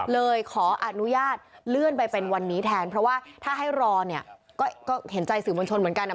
เลยขออนุญาตเลื่อนไปเป็นวันนี้แทนเพราะว่าถ้าให้รอเนี่ยก็เห็นใจสื่อมวลชนเหมือนกัน